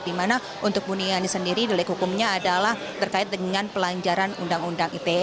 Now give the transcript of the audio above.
dimana untuk buniani sendiri delik hukumnya adalah terkait dengan pelanjaran undang undang ite